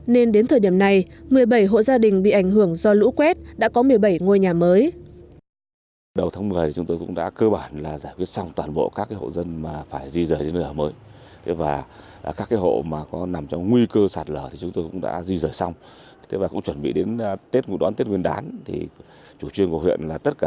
nên đến thời điểm này một mươi bảy hộ gia đình bị ảnh hưởng do lũ quét đã có một mươi bảy ngôi nhà mới